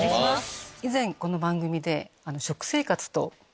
以前この番組で。